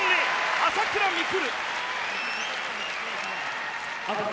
朝倉未来！